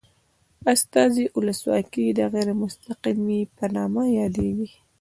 استازي ولسواکي د غیر مستقیمې په نامه یادیږي.